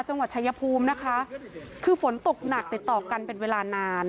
จังหวัดชายภูมินะคะคือฝนตกหนักติดต่อกันเป็นเวลานาน